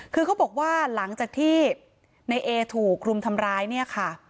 คือเขาบอกว่าหลังจากที่ในเอถูกคลุมทำร้ายเนี่ยค่ะ